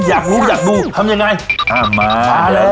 อยากรู้อยากดูทำยังไงอ่ามาแล้ว